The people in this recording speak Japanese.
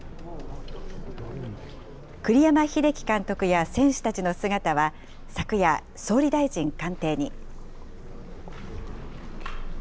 栗山英樹監督や選手たちの姿は、昨夜、総理大臣官邸に。